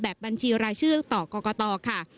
บัญชีรายชื่อต่อกรกตค่ะ